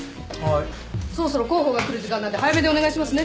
そろそろ広報が来る時間なんで早めでお願いしますね。